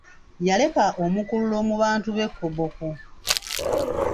Yaleka omukululo mu bantu b'e Koboko.